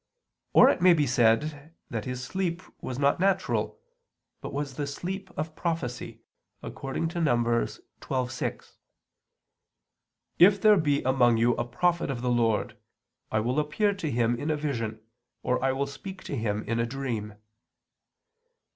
Or it may be said that his sleep was not natural, but was the sleep of prophecy, according to Num. 12:6: "If there be among you a prophet of the Lord, I will appear to him in a vision, or I will speak to him in a dream."